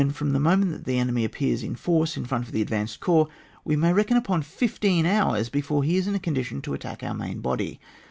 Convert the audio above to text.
from the moment that the enemy appears in force in front of the advanced corps, we may reckon upon fifteen hours before he is in a condition to attack our main body.